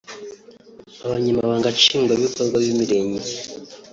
Abanyamabanga Nshingwabikorwa b’imirenge